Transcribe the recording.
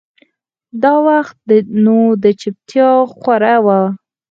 دا وخت نو چوپتيا خوره وه.